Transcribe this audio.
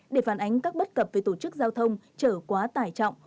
để phản ánh các bất cập về tổ chức giao thông trở quá tải trọng